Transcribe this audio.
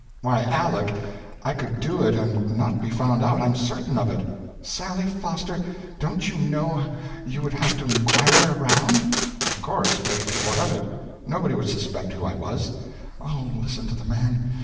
"Why, Aleck, I could do it and not be found out I'm certain of it." "Sally Foster, don't you know you would have to inquire around?" "Of course, but what of it? Nobody would suspect who I was." "Oh, listen to the man!